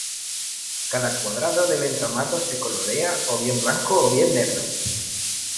Cada cuadrado del entramado se colorea o bien blanco o bien negro.